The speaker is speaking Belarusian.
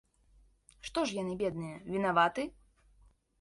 Што ж яны, бедныя, вінаваты?